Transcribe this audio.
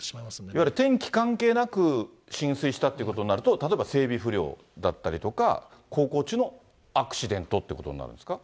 いわゆる天気関係なく浸水したということになると、例えば整備不良だったりとか、航行中のアクシデントってことになるんですか。